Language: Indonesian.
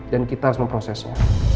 dan kita harus memprosesnya